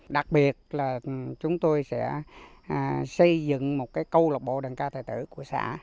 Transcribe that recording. đặc biệt là chúng tôi sẽ xây dựng một câu lạc bộ đơn ca tài tử của xã